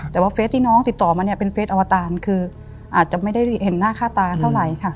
แต่ว่าเฟสที่น้องติดต่อมาเนี่ยเป็นเฟสอวตารคืออาจจะไม่ได้เห็นหน้าค่าตาเท่าไหร่ค่ะ